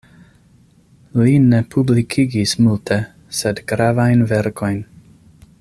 Li ne publikigis multe, sed gravajn verkojn.